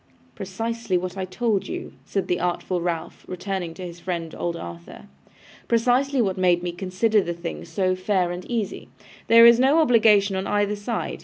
'Precisely what I told you,' said the artful Ralph, turning to his friend, old Arthur. 'Precisely what made me consider the thing so fair and easy. There is no obligation on either side.